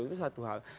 itu satu hal